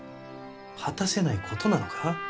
果たせないことなのか？